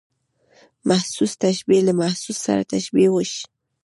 محسوس تشبیه له محسوس سره د تشبېه وېش.